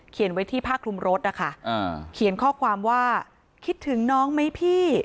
ไว้ที่ผ้าคลุมรถนะคะเขียนข้อความว่าคิดถึงน้องไหมพี่